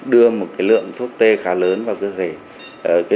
đưa một lượng thuốc tê khá lớn vào cơ thể